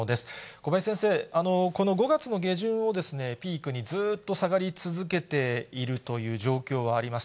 小林先生、この５月の下旬をピークに、ずっと下がり続けているという状況があります。